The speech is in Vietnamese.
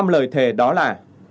năm lời thề đó là